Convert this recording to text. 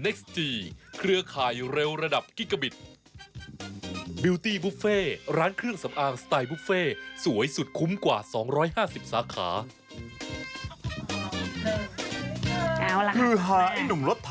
ไม่เอาค่ะไม่จำเป็น